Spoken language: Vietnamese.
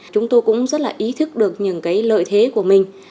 chúng tôi cũng rất là ý thức được những cái lợi thế của mình